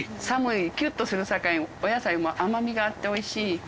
寒いキュッとするさかいお野菜も甘みがあっておいしい。